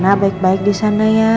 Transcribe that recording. nah baik baik di sana ya